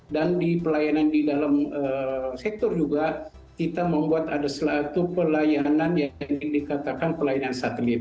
dan di pelayanan di dalam sektor juga kita membuat ada satu pelayanan yang dikatakan pelayanan satelit